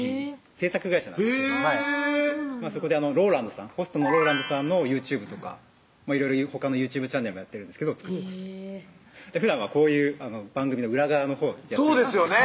制作会社のそこでローランドさんホストのローランドさんのＹｏｕＴｕｂｅとかいろいろほかのＹｏｕＴｕｂｅチャンネルもやってるんですけど作ってますふだんはこういう番組の裏側のほうそうですよね